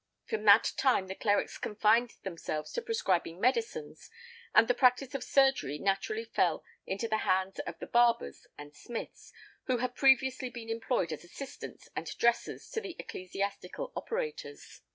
From that time |4| the clerics confined themselves to prescribing medicines, and the practice of surgery naturally fell into the hands of the barbers and smiths, who had previously been employed as assistants and dressers to the ecclesiastical operators.